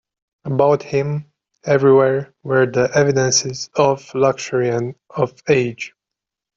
About him, everywhere, were the evidences of luxury and of age.